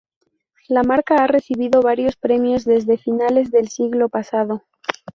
La marca ha recibido varios premios desde finales del siglo pasado.